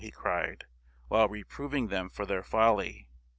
" he cried, while reproving them for their folly.